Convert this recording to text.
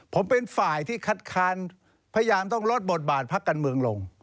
ผมเป็นฝ่ายที่คัดค้านพยายามต้องลดบทบาทพักการเมืองลง